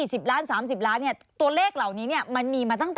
สนุนโดยน้ำดื่มสิง